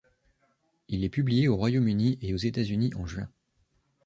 Il est publié au Royaume-Uni et aux États-Unis en juin.